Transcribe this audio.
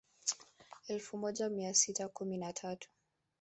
Elfu moja mia sita kumi na tatu